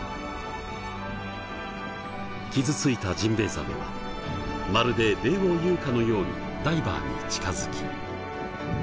傷ついたジンベイザメはまるで礼を言うかのようにダイバーに近づき。